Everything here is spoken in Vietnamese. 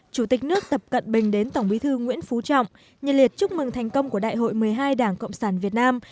chủ tịch nước tập cận bình đến tổng bí thư nguyễn phú trọng nhiệt liệt chúc mừng thành công của đại hội một mươi hai đảng cộng sản việt nam